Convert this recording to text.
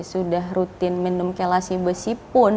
sudah rutin minum kelasi besi pun